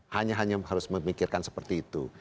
hanya hanya harus memikirkan seperti itu